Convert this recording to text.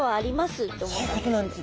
そういうことなんです。